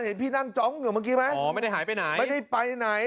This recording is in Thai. เห็นพี่นั่งจ้องอยู่เมื่อกี้ไหมอ๋อไม่ได้หายไปไหนไม่ได้ไปไหน